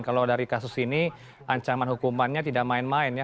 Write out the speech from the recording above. kalau dari kasus ini ancaman hukumannya tidak main main ya